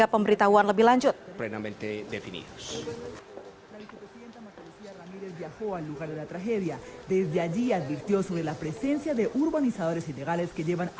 pemerintah kota barangka bermeja telah meminta warga setempat